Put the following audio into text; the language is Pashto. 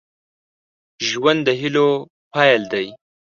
ژوند د هيلو پيل دی